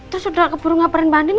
terus udah keburu ngaparin mbak andin